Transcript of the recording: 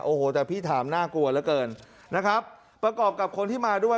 โอ้โหแต่พี่ถามน่ากลัวเหลือเกินนะครับประกอบกับคนที่มาด้วย